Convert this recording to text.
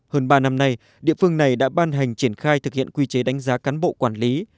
hơn ba năm nay địa phương này đã ban hành triển khai thực hiện quy chế đánh giá cán bộ quản lý